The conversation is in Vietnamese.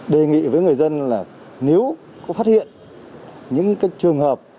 đề nghị với người dân là nếu có phát hiện những trường hợp